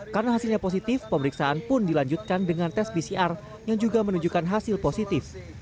karena hasilnya positif pemeriksaan pun dilanjutkan dengan tes pcr yang juga menunjukkan hasil positif